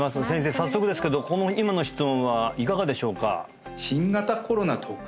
早速ですけどこの今の質問はいかがでしょうか？